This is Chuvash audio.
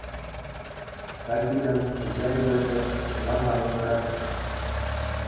Ҫак илем куҫа илӗртет, чуна савӑнтарать.